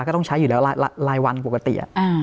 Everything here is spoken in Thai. ก็ต้องใช้อยู่แล้วรายวันปกติ